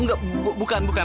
enggak bukan bukan